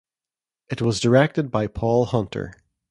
It was directed by Paul Hunter.